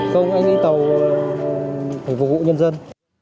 không anh đi tàu để phục vụ nhân dân